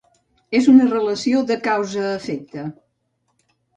És una relació de causa a efecte.